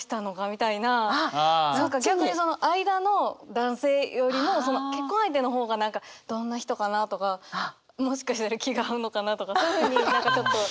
逆にその間の男性よりも結婚相手の方が何かどんな人かなとかもしかしたら気が合うのかなとかそういうふうに何かちょっと。